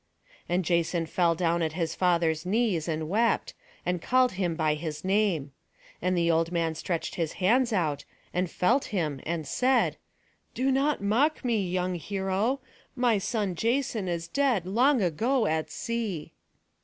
And Jason fell down at his father's knees, and wept, and called him by his name. And the old man stretched his hands out, and felt him, and said: "Do not mock me, young hero. My son Jason is dead long ago at sea."